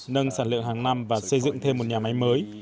nâng sản lượng hàng năm và xây dựng thêm một nhà máy mới